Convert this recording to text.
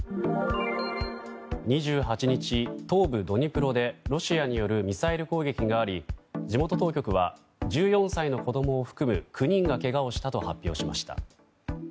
２８日、東部ドニプロでロシアによるミサイル攻撃があり地元当局は１４歳の子供を含む９人がけがをしたと発表しました。